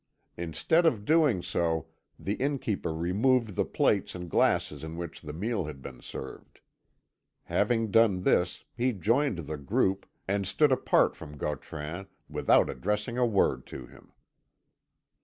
Instead of doing so, the innkeeper removed the plates and glasses in which the meal had been served. Having done this, he joined the group, and stood apart from Gautran, without addressing a word to him.